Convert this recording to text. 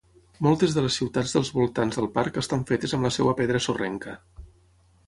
Moltes de les ciutats dels voltants del parc estan fetes amb la seva pedra sorrenca.